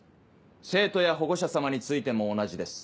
生徒や保護者様についても同じです。